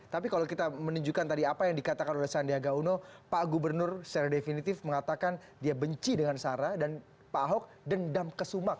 tapi kalau kita menunjukkan tadi apa yang dikatakan oleh sandiaga uno pak gubernur secara definitif mengatakan dia benci dengan sarah dan pak ahok dendam kesumak